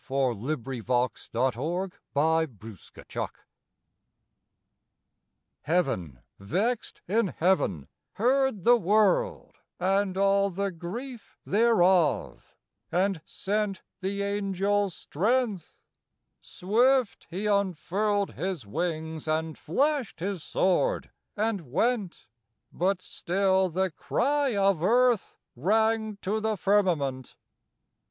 1882. THE THREE ANGELS Heav'n vex'd in heaven heard the World And all the grief thereof, and sent The angel Strength. Swift he unfurl'd His wings and flasht his sword and went: But still the cry of Earth rang to the firmament.